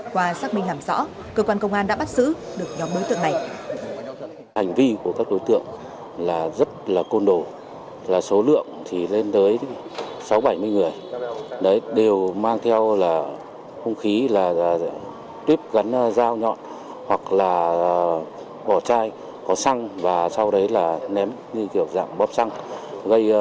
qua xác minh làm rõ cơ quan công an đã bắt xử được nhóm đối tượng này